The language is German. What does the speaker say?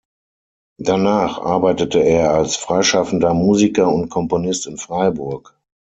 Danach arbeitete er als freischaffender Musiker und Komponist in Freiburg.